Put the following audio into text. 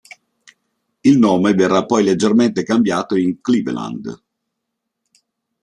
Il nome verrà poi leggermente cambiato in Cleveland.